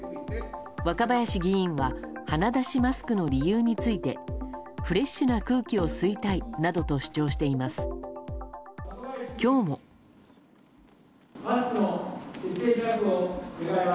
若林議員は鼻出しマスクの理由についてフレッシュな空気を吸いたいなどと主張しています。